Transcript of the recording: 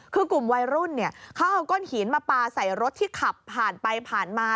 คือกลุ่มวัยรุ่นเขาเอาก้อนหินมาปลาใส่รถที่ขับผ่านไปผ่านมา